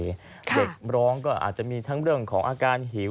เด็กร้องก็อาจจะมีทั้งเรื่องของอาการหิว